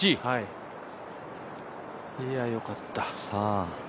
いや、よかった。